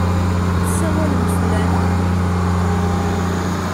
Tessawalem-d fell-aneɣ?